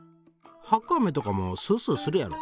ハッカあめとかもスースーするやろ？